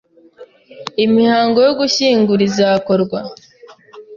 Imihango yo gushyingura izakorwa